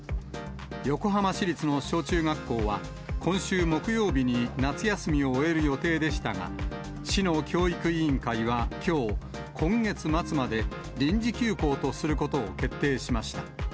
横浜市立の小中学校は、今週木曜日に夏休みを終える予定でしたが、市の教育委員会はきょう、今月末まで臨時休校とすることを決定しました。